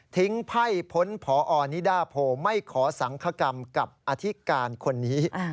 ไพ่พ้นพอนิดาโพไม่ขอสังคกรรมกับอธิการคนนี้